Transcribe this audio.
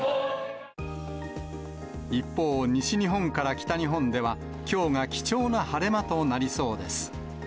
一方、西日本から北日本では、きょうが貴重な晴れ間となりそうです。